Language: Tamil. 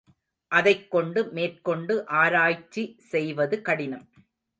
அதைக் கொண்டு மேற்கொண்டு ஆராய்ச்சி செய்வது கடினம்.